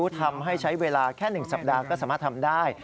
ทำให้ใช้เวลาแค่๑สัปดาห์ก็สามารถทำได้